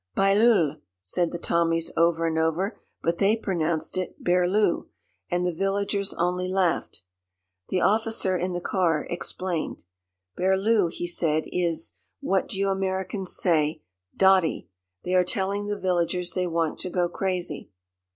"Bailleul," said the Tommies over and over, but they pronounced it "Berlue," and the villagers only laughed. The officer in the car explained. "'Berlue,'" he said, "is what do you Americans say dotty? They are telling the villagers they want to go crazy!"